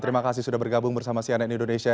terima kasih sudah bergabung bersama cnn indonesia